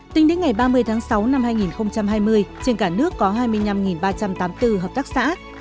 tính đến ngày ba mươi tháng sáu năm hai nghìn hai mươi trên cả nước có hai mươi năm ba trăm tám mươi bốn hợp tác xã